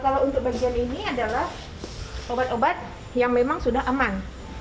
kalau untuk bagian ini adalah obat obat yang memang sudah aman